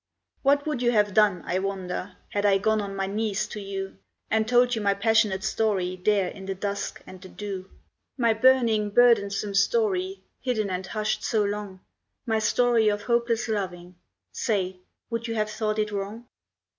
What would you have done, I wonder, Had I gone on my knees to you And told you my passionate story, There in the dusk and the dew? My burning, burdensome story, Hidden and hushed so long My story of hopeless loving Say, would you have thought it wrong?